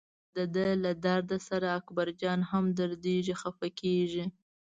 دده له درد سره اکبرجان هم دردېږي خپه کېږي.